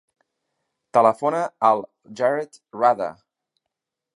Telefona al Jared Rada.